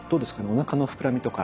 おなかの膨らみとか。